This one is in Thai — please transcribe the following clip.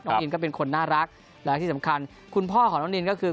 อินก็เป็นคนน่ารักและที่สำคัญคุณพ่อของน้องนินก็คือ